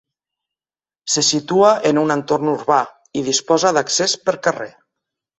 Se situa en un entorn urbà, i disposa d'accés per carrer.